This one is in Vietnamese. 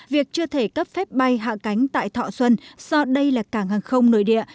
việc chưa thể cấp phép bay hạ cánh tại thọ xuân do đây là cảng hàng không nội địa